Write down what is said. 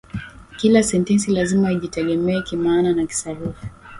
Kila sentensi lazima ijitegemee kimaana na kisarufi.